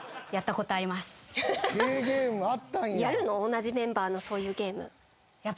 同じメンバーのそういうゲーム。